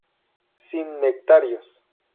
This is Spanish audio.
Sin nectarios.